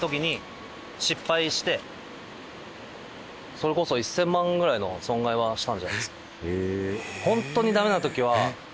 それこそ１０００万ぐらいの損害はしたんじゃないですかね。